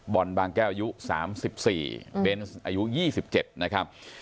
บอลบางแก้วอายุสามสิบสี่เบนส์อายุยี่สิบเจ็ดนะครับ